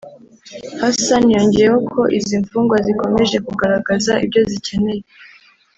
Hassan yongeyeho ko izi mfungwa zikomeje kugaragaza ibyo zikeneye